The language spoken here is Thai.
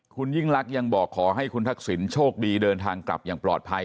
คุณยิ่งลักษณ์ยังบอกขอให้คุณทักษิณโชคดีเดินทางกลับอย่างปลอดภัย